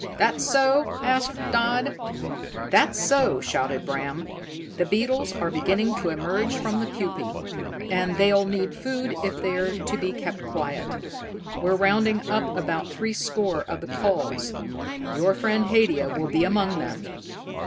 "That so?" asked Dodd. "That's so," shouted Bram. "The beetles are beginning to emerge from the pupae, and they'll need food if they're to be kept quiet. We're rounding up about threescore of the culls your friend Haidia will be among them.